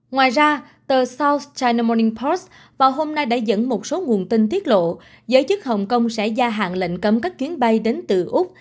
ngoài ra tờ soustineoning post vào hôm nay đã dẫn một số nguồn tin tiết lộ giới chức hồng kông sẽ gia hạn lệnh cấm các chuyến bay đến từ úc